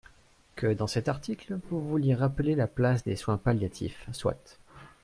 Que dans cet article, vous vouliez rappeler la place des soins palliatifs, soit.